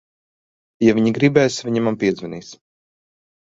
Ja viņa gribēs, viņa man piezvanīs.